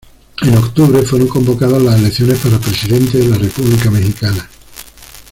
En octubre, fueron convocadas las elecciones para presidente de la República Mexicana.